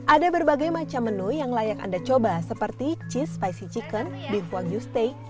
ada berbagai macam menu yang layak anda coba seperti cheese spicy chicken beef wong you stay